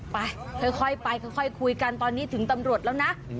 ไปค่อยไปค่อยคุยกันตอนนี้ถึงตำรวจแล้วนะ